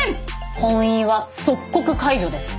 婚姻は即刻解除です。